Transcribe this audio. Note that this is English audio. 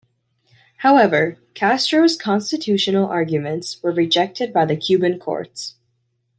However, Castro's constitutional arguments were rejected by the Cuban courts.